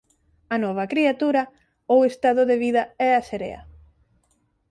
A nova criatura ou estado de vida é a serea.